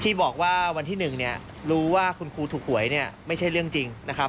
ที่บอกว่าวันที่๑เนี่ยรู้ว่าคุณครูถูกหวยเนี่ยไม่ใช่เรื่องจริงนะครับ